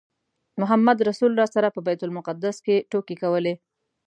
محمدرسول راسره په بیت المقدس کې ټوکې کولې.